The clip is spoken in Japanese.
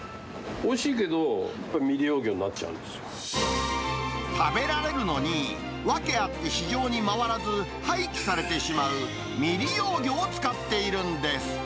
おいしいけど、食べられるのに、訳あって市場に回らず、廃棄されてしまう未利用魚を使っているんです。